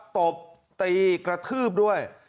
ตบตีกระทืบด้วย